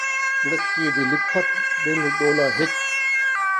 کڑکّی دی لکھت ، ݙلھ ݙولا ہک